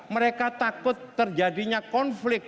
mereka takut terjadinya konflik